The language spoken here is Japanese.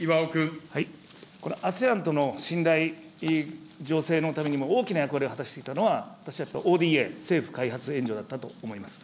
ＡＳＥＡＮとの信頼、醸成のためにも大きな役割を果たしていたのは、私はやっぱり、ＯＤＡ・政府開発援助だったと思います。